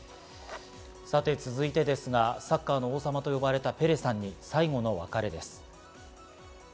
続いてですが、サッカーの王様と呼ばれたペレさんに最後のお別れです。